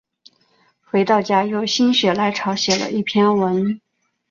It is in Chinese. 回到家又心血来潮写了一篇文